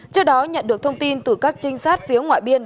trước đó nhận được thông tin từ các trinh sát phía ngoại biên